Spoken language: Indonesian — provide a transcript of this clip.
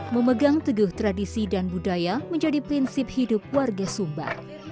memegang teguh tradisi dan budaya menjadi prinsip hidup warga sumba